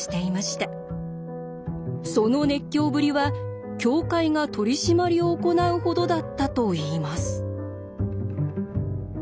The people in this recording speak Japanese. その熱狂ぶりは教会が取り締まりを行うほどだったといいます。